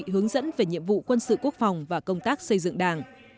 hướng dẫn về nhiệm vụ quân sự quốc phòng và công tác xây dựng đảng